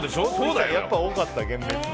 やっぱ多かった、幻滅が。